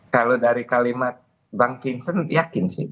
kalau dari kalimat bang vincent yakin sih